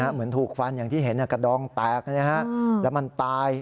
เหมือนถูกฟันอย่างที่เห็นกระดองแตกแล้วมันตาย